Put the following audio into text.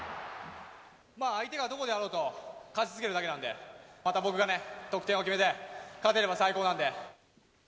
相手がどこであろうと、勝ち続けるだけなんで、また僕が得点を決めて、勝てれば最高なんで。